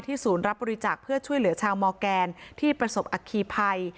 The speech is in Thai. ศูนย์รับบริจาคเพื่อช่วยเหลือชาวมอร์แกนที่ประสบอัคคีภัย